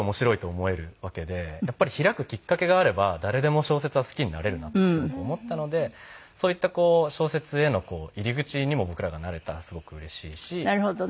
やっぱり開くきっかけがあれば誰でも小説は好きになれるなってすごく思ったのでそういった小説への入り口にも僕らがなれたらすごくうれしいし。